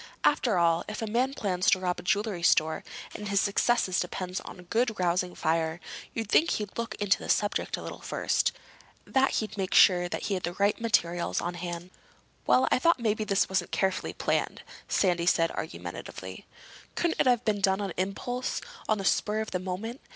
After all, if a man plans to rob a jewelry store, and his success depends on a good rousing fire, you'd think he'd look into the subject a little first. That he'd make sure he had the right materials on hand." "Well, I thought maybe this wasn't carefully planned," Sandy said argumentatively. "Couldn't it have been done on impulse—on the spur of the moment?